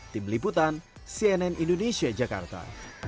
tim liputan cnn indonesia jakarta